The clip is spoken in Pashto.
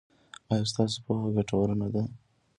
ایا ستاسو پوهه ګټوره نه ده؟